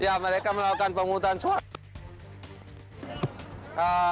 ya mereka melakukan pemungutan suara